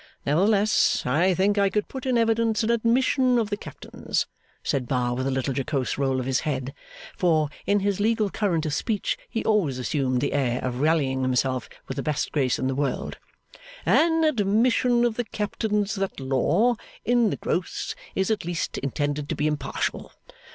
Nevertheless, I think I could put in evidence an admission of the Captain's,' said Bar, with a little jocose roll of his head; for, in his legal current of speech, he always assumed the air of rallying himself with the best grace in the world; 'an admission of the Captain's that Law, in the gross, is at least intended to be impartial.